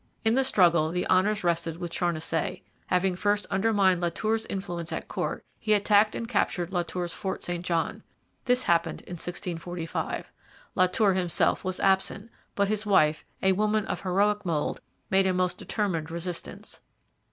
In the struggle the honours rested with Charnisay. Having first undermined La Tour's influence at court, he attacked and captured La Tour's Fort St John. This happened in 1645. La Tour himself was absent; but his wife, a woman of heroic mould, made a most determined resistance.